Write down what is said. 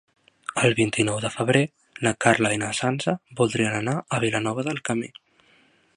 El vint-i-nou de febrer na Carla i na Sança voldrien anar a Vilanova del Camí.